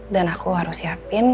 dan aku harus siapin